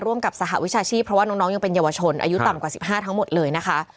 ร่วมกับสหวิชาชีพเพราะว่าน้องยังเป็นเยาวชนอายุต่ำกว่า๑๕ทั้งหมดเลยนะคะ